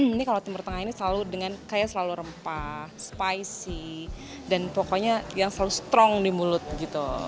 ini kalau timur tengah ini selalu dengan kayak selalu rempah spicy dan pokoknya yang selalu strong di mulut gitu